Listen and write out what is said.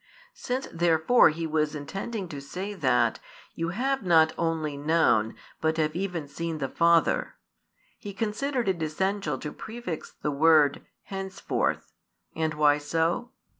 |250 Since therefore He was intending to say that "you have not only known, but have even seen the Father," He considered it essential to prefix the word "henceforth;" and why so?